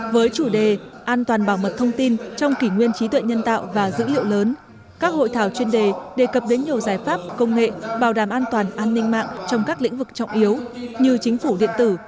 với chủ đề an toàn bảo mật thông tin trong kỷ nguyên trí tuệ nhân tạo và dữ liệu lớn các hội thảo chuyên đề đề cập đến nhiều giải pháp công nghệ bảo đảm an toàn an ninh mạng trong các lĩnh vực trọng yếu như chính phủ điện tử